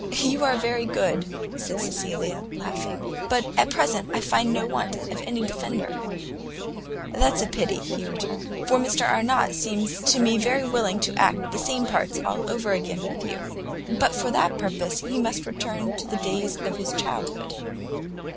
"You are very good," said Cecilia, laughing, "but at present I find no want of any defender." "That's pity," he returned, "for Mr Arnott seems to me very willing to act the same parts over again with you." "But for that purpose he must return to the days of his childhood."